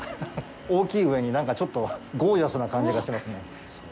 大きい上に、なんかちょっとゴージャスな感じがしますね。